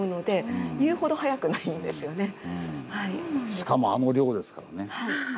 しかもあの量ですからね。